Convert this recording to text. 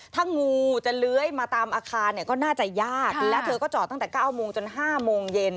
ถ้างูจะเลื้อยมาตามอาคารเนี่ยก็น่าจะยากและเธอก็จอดตั้งแต่๙โมงจน๕โมงเย็น